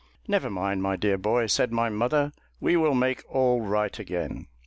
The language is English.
"Never mind, my dear boy," said my mother, "we will make all right again."